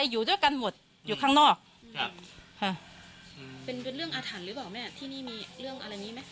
อยู่ด้วยกันหมดอยู่ข้างนอกเป็นเรื่องอาถรรพ์หรือบอกแม่ที่นี่มีเรื่องอะไร